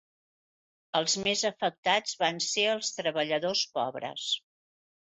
Els més afectats van ser els treballadors pobres.